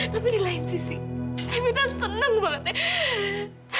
tapi di lain sisi kita senang banget ya